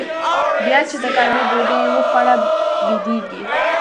بيا چې د غرمې ډوډۍ يې وخوړه بيدېږي.